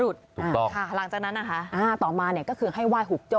ถูกต้องหลังจากนั้นนะคะต่อมาก็คือให้ไหว้หุกโจ